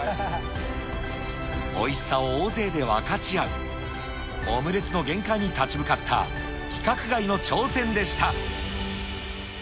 おいしさを大勢で分かち合う、オムレツの限界に立ち向かった規格外の挑戦でした。